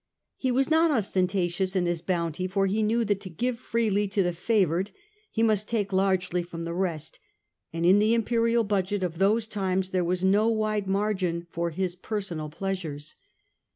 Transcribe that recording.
He was not ostentatious in his bounty, for he knew that to give freely to the favoured he must take largely from the rest ; and in the imperial budget of those times there was no wide mar gin for his personal pleasures.